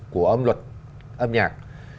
của âm luật